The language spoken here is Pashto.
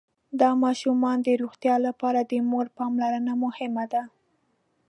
د ماشومانو د روغتيا لپاره د مور پاملرنه مهمه ده.